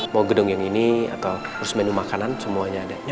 mau gedung yang ini atau harus menu makanan semuanya ada